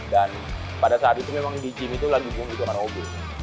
dan pada saat itu memang di gym itu lagi belum butuhkan ob